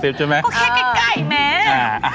ก็แค่ไก่น่ะ